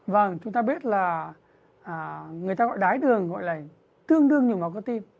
vâng chúng ta biết là người ta gọi đái tháo đường gọi là tương đương như mạch